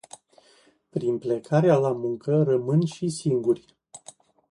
Prin plecarea la muncă, rămân și singuri.